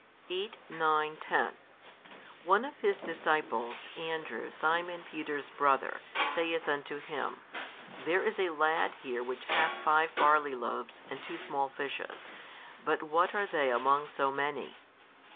8, 9, 10 One of His disciples, Andrew, Simon Peter's brother, saith unto Him, There is a lad here which hath five barley loaves and two small fishes, but what are they among so many?